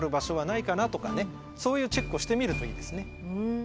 そういうチェックをしてみるといいですね。